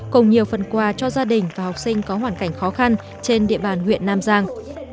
cùng nhiều phần quà cho gia đình và học sinh có hoàn cảnh khó khăn trên địa bàn huyện nam giang